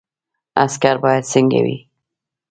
عسکر باید څنګه وي؟